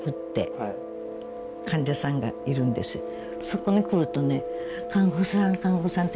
そこに来るとね。